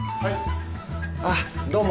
あどうも。